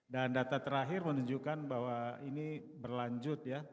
dan data terakhir menunjukkan bahwa ini berlanjut ya